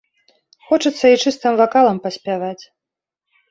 Хочацца і чыстым вакалам паспяваць.